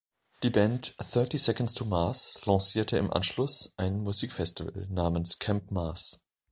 Die Band Thirty Seconds to Mars lancierte im Anschluss ein Musikfestival namens Camp Mars.